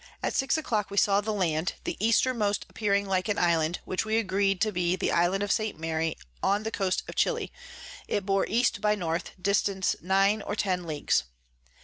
At six a clock we saw the Land, the Eastermost appearing like an Island, which we agree to be the Island of St. Mary on the Coast of Chili: it bore E by N. dist. 9 or 10 Ls.